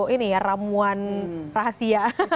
ini ya ramuan rahasia